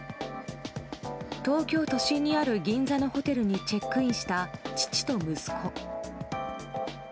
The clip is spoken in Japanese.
東京都心にある銀座のホテルにチェックインした父と息子。